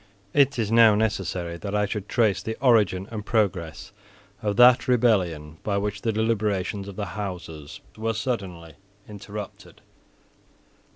It is now necessary that I should trace the origin and progress of that rebellion by which the deliberations of the Houses were suddenly interrupted.